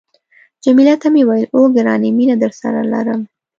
جميله ته مې وویل، اوه، ګرانې مینه درسره لرم.